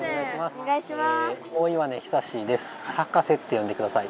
おねがいします。